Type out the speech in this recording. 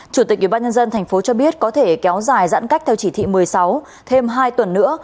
chủ tịch ubnd tp cho biết có thể kéo dài giãn cách theo chỉ thị một mươi sáu thêm hai tuần nữa